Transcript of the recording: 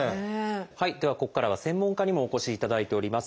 はいではここからは専門家にもお越しいただいております。